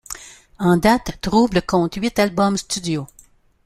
En date, Trouble compte huit albums studio.